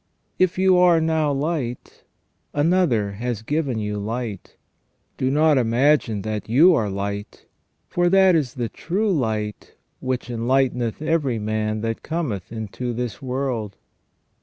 If you are now light, another has given you light. Do not imagine that you are light, for that is the true light which enlighteneth every man that cometh into this world.